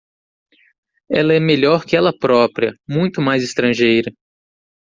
Ela é melhor que ela própria, muito mais estrangeira.